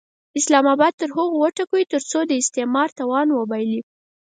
اسلام اباد تر هغو وټکوئ ترڅو د استثمار توان وبایلي.